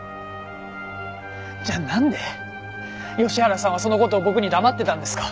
じゃあなんで吉原さんはその事を僕に黙ってたんですか？